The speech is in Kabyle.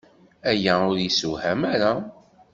Aya ur yessewham ara.